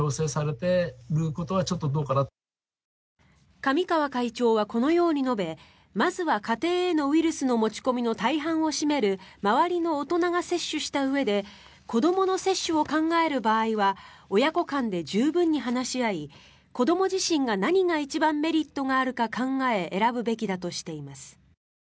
神川会長はこのように述べまずは家庭へのウイルスの持ち込みの大半を占める周りの大人が接種したうえで子どもの接種を考える場合は親子間で十分に話し合い子ども自身が何が一番メリットがあるか考え選ぶべきだとしています。